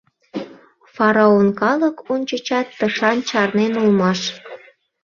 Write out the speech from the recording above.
Фараон калык ончычат тышан чарнен улмаш.